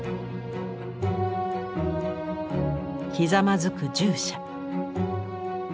ひざまずく従者。